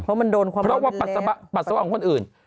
เพราะว่าปัสสาวะของคนอื่น